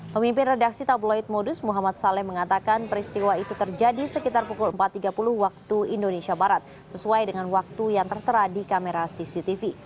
pemimpin redaksi tabloid modus muhammad saleh mengatakan peristiwa itu terjadi sekitar pukul empat tiga puluh waktu indonesia barat sesuai dengan waktu yang tertera di kamera cctv